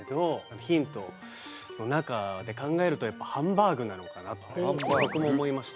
ヒントの中で考えるとやっぱハンバーグなのかなって僕も思いました